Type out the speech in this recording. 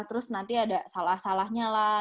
terus nanti ada salah salahnya lah